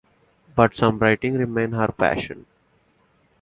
But songwriting remained her passion.